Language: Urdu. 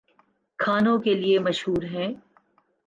کھانوں کے لیے مشہور ہیں